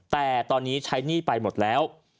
แต่ตอนนี้ใช้หนี้ไปหมดแล้ว